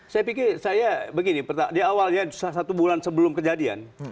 saya pikir saya begini di awalnya satu bulan sebelum kejadian